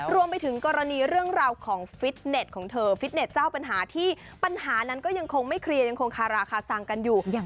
รวมไปถึงกรณีเรื่องราวของฟิตเน็ตของเธอฟิตเน็ตเจ้าปัญหาที่ปัญหานั้นก็ยังคงไม่เคลียร์ยังคงคาราคาซังกันอยู่